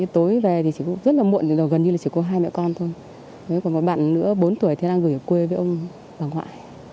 tối về thì chỉ có rất là muộn gần như là chỉ có hai mẹ con thôi còn có bạn nữa bốn tuổi thì đang gửi ở quê với ông bà ngoại